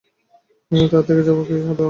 এখানে তার থেকে যাওয়ার কী কারণ হতে পারে?